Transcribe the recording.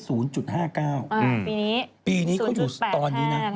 ปีนี้๐๘๕ใช่ไหมครับ๐๘๕ใช่ไหมปีนี้เขาอยู่ตอนนี้๐๘๕